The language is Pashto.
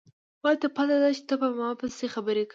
ما ته پته ده چې ته په ما پسې خبرې کوې